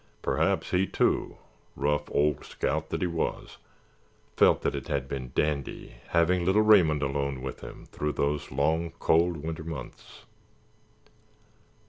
Perhaps he, too, rough old scout that he was, felt that it had been "dandy" having little Raymond alone with him through those long, cold winter months.